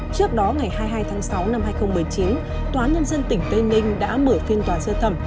trước đó ngày hai mươi hai tháng sáu năm hai nghìn một mươi chín tòa án nhân dân tỉnh tây ninh đã mở phiên tòa xét xử